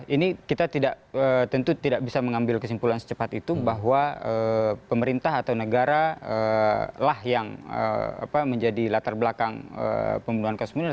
ini kita tidak tentu tidak bisa mengambil kesimpulan secepat itu bahwa pemerintah atau negara lah yang menjadi latar belakang pembunuhan kasus munir